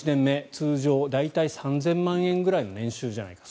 通常大体３０００万円ぐらいの年収じゃないか。